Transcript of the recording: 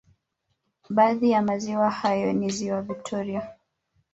Baadhi ya maziwa hayo ni ziwa Victoria